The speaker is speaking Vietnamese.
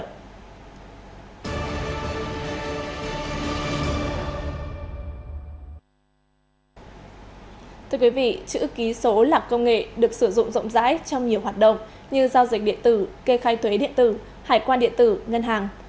thưa quý vị chữ ký số lạc công nghệ được sử dụng rộng rãi trong nhiều hoạt động như giao dịch điện tử kê khai thuế điện tử hải quan điện tử ngân hàng